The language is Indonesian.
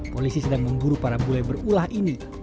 polisi sedang memburu para bule berulah ini